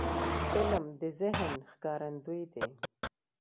فلم د ذهن ښکارندوی دی